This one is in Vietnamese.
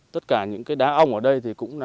tất cả những đá ong ở đây